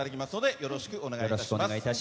よろしくお願いします。